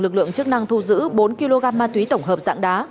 lực lượng chức năng thu giữ bốn kg ma túy tổng hợp dạng đá